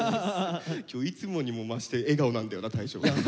今日いつもにも増して笑顔なんだよな大昇。